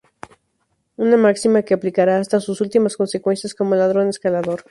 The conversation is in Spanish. Una máxima que aplicará hasta sus últimas consecuencias como ladrón "escalador".